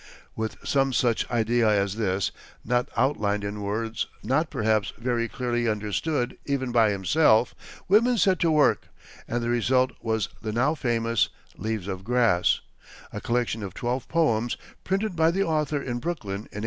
With some such idea as this, not outlined in words, nor, perhaps, very clearly understood even by himself, Whitman set to work, and the result was the now famous "Leaves of Grass," a collection of twelve poems, printed by the author in Brooklyn in 1855.